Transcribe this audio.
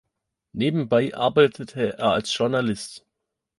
Nebenbei arbeitete er als Journalist.